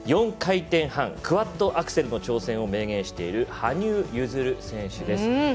４回転半クワッドアクセルの挑戦を明言している羽生結弦選手です。